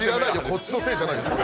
こっちのせいじゃないよ。